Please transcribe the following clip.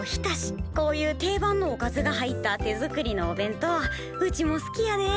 こういう定番のおかずが入った手作りのお弁当うちも好きやで。